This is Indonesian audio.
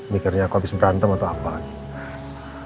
mikirnya aku habis berantem atau apa lagi